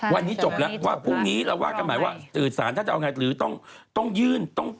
วันนี้จบแล้วว่าพรุ่งนี้เราว่ากันใหม่ว่าสื่อสารท่านจะเอาไงหรือต้องยื่นต้อง